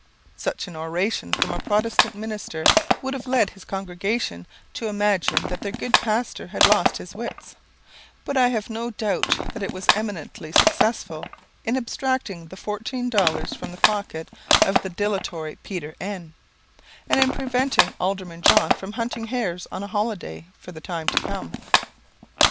Such an oration from a Protestant minister would have led his congregation to imagine that their good pastor had lost his wits; but I have no doubt that it was eminently successful in abstracting the fourteen dollars from the pocket of the dilatory Peter N , and in preventing Alderman John from hunting hares on a holiday for the time to come.